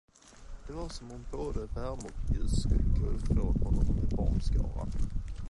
Det var som om både värme och ljus skulle gå ifrån honom med barnskaran.